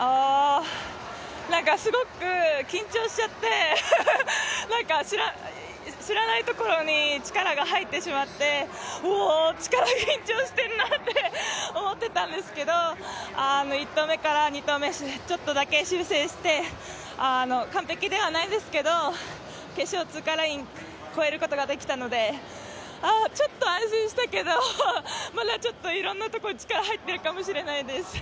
なんかすごく緊張しちゃってなんか知らないところに力が入ってしまってもう緊張してるなと思ったんですけど１投目から２投目、ちょっとだけ修正して、完璧ではないですけど、決勝通過ライン越えることができたのでちょっと安心したけど、まだちょっといろんなところに力が入っているかもしれないです。